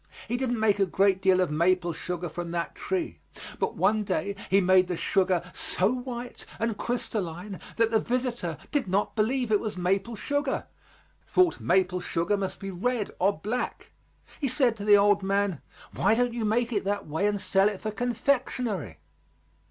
He didn't make a great deal of maple sugar from that tree. But one day he made the sugar so white and crystalline that the visitor did not believe it was maple sugar; thought maple sugar must be red or black. He said to the old man: "Why don't you make it that way and sell it for confectionery?"